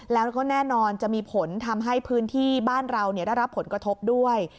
แล้วก็แน่นอนจะมีผลทำให้พื้นที่บ้านเราได้รับผลกระทบด้วย